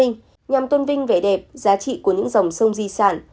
nhằm tôn vinh vẻ đẹp giá trị của những dòng sông di sản